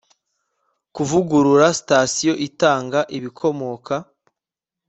kuvugurura sitasiyo itanga ibikomoka